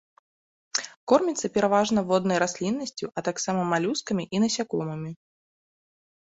Корміцца пераважна воднай расліннасцю, а таксама малюскамі і насякомымі.